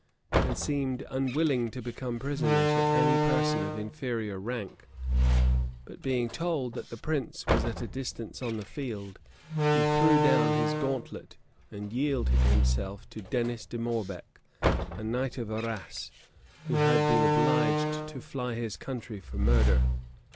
and seemed unwilling to become prisoner to any person of inferior rank. But being told that the prince was at a distance on the field, he threw down his gauntlet, and yielded himself to Dennis de Morbec, a knight of Arras, who had been obliged to fly his country for murder.